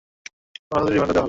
পনেরো দিনের রিমান্ড দেয়া হল।